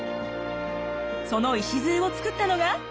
その礎を作ったのが。